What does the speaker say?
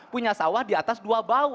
punya sawah di atas dua bau